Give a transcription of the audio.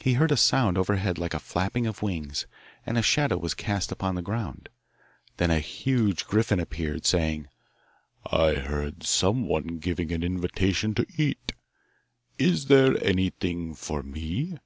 He heard a sound overhead like the flapping of wings, and a shadow was cast upon the ground. Then a huge griffin appeared, saying: 'I heard someone giving an invitation to eat; is there anything for me?